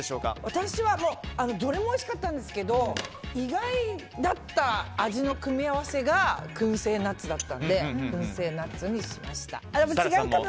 私はどれもおいしかったんですけど意外だった、味の組み合わせがくんせいナッツだったのでくんせいナッツにしました。